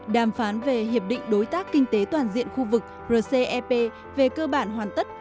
đàm phán về hiệp định đối tác kinh tế toàn diện khu vực rcep về cơ bản hoàn tất